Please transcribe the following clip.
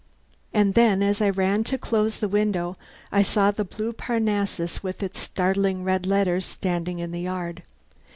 And then as I ran to close the window I saw the blue Parnassus with its startling red letters standing in the yard.